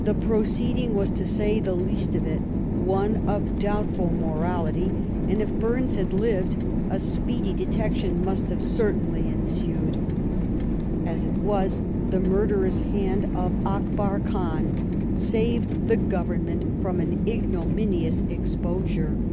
^ The proceeding was, to say the least oT it, one of doubtful morality, and if Burnes had lived, a speedy detection must have cer tainly ensued. As it was, the murderous hand of Akbar Ehan saved the Government from an ignomi nious exposure.